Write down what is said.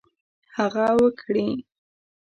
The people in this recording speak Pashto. هغه وکړي.